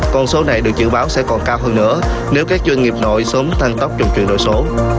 con số này được dự báo sẽ còn cao hơn nữa nếu các doanh nghiệp nội sớm tăng tốc trong chuyển đổi số